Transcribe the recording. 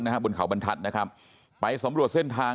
แล้วผมเป็นเพื่อนกับพระนกแต่ผมก็ไม่เคยช่วยเหลือเสียแป้ง